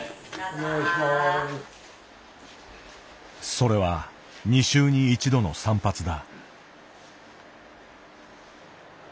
それは２週に１度の散髪だ。